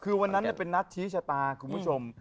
คือวันนั้นเป็นนัดชี้ชะตาคุณผู้ชม